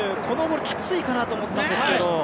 このボール、きついかなと思ったんですけど。